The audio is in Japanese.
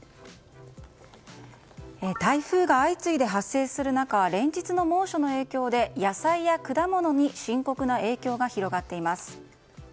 台風が相次いで発生する中連日の猛暑の影響で野菜や果物に深刻な影響が広がっています。